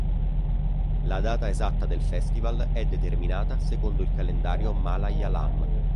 La data esatta del festival è determinata secondo il calendario Malayalam.